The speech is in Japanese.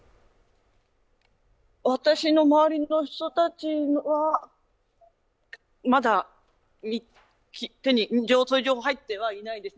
私の周りの人たちは、まだそういう情報は入ってはいないです。